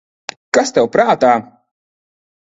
Kas tev prātā?